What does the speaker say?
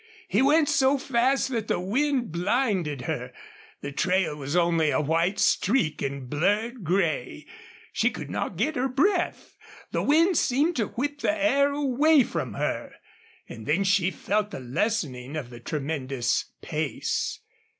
He went so fast that the wind blinded her. The trail was only a white streak in blurred gray. She could not get her breath; the wind seemed to whip the air away from her. And then she felt the lessening of the tremendous pace.